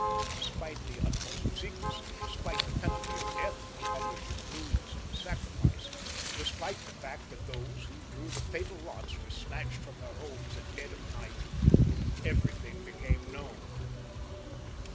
Despite the utmost secrecy, despite the penalty of death for publishing news of the sacrifice, despite the fact that those who drew the fatal lots were snatched from their homes at dead of night, everything became known.